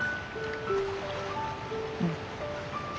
うん。